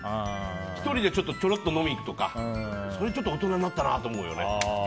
１人でちょろっと飲み行くとかそれでちょっと大人になったなって思うよね。